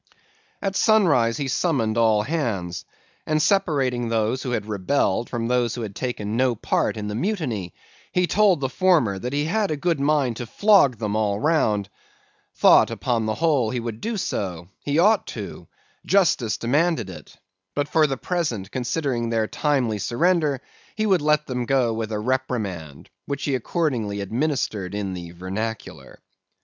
"At sunrise he summoned all hands; and separating those who had rebelled from those who had taken no part in the mutiny, he told the former that he had a good mind to flog them all round—thought, upon the whole, he would do so—he ought to—justice demanded it; but for the present, considering their timely surrender, he would let them go with a reprimand, which he accordingly administered in the vernacular.